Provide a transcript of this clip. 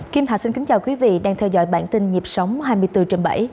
kim thạch xin kính chào quý vị đang theo dõi bản tin nhịp sống hai mươi bốn trên bảy